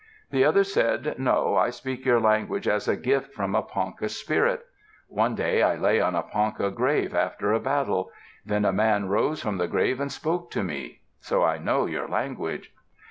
The other said, "No. I speak your language as a gift from a Ponca spirit. One day I lay on a Ponca grave after a battle. Then a man rose from the grave and spoke to me. So I know your language."